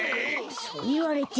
そういわれても。